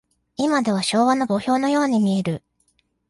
いまでは昭和の墓標のように見える。